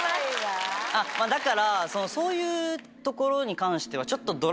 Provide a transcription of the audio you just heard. だからそういうところに関してはちょっと。